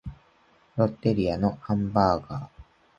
ロッテリアのハンバーガー